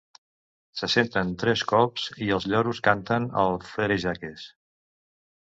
Se senten tres cops i els lloros canten el «Frère Jacques».